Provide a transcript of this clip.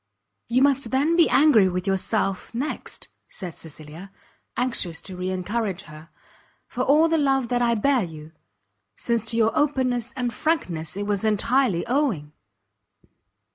"You must then be angry with yourself, next," said Cecilia, anxious to re encourage her, "for all the love that I bear you; since to your openness and frankness it was entirely owing."